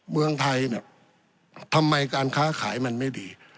เมืองไทยเนี่ยทำไมการค้าขายมันไม่ดี